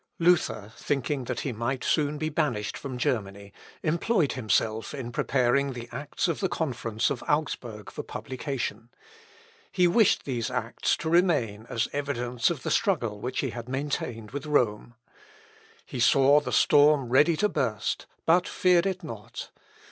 Luther, thinking that he might soon be banished from Germany, employed himself in preparing the Acts of the Conference of Augsburg for publication. He wished these Acts to remain as evidence of the struggle which he had maintained with Rome. He saw the storm ready to burst, but feared it not.